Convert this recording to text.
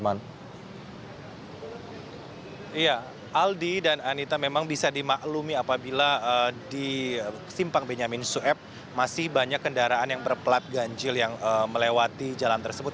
aldi dan anita memang bisa dimaklumi apabila di simpang benyamin sueb masih banyak kendaraan yang berplat ganjil yang melewati jalan tersebut